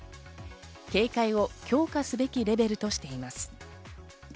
警戒を強化すべきレベルとしています。